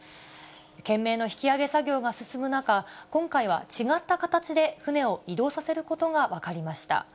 懸命の引き揚げ作業が進む中、今回は違った形で船を移動させることが分かりました。